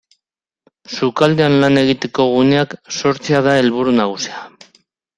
Sukaldean lan egiteko guneak sortzea da helburu nagusia.